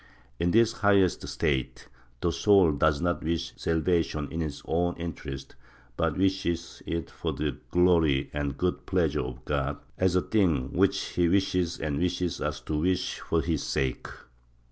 In this highest state the soul does not wish salvation in its own interest, but wishes it for the glory and good pleasure of God, as a thing which he wishes and wishes us to wish for his sake.